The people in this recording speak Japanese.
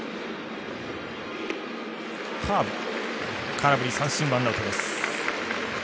空振り三振、ワンアウトです。